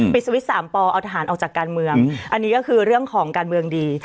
สวิตช์๓ปอเอาทหารออกจากการเมืองอันนี้ก็คือเรื่องของการเมืองดี